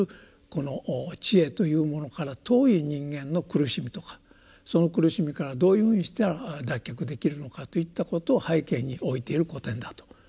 この智慧というものから遠い人間の苦しみとかその苦しみからどういうふうにしたら脱却できるのかといったことを背景に置いてる古典だと。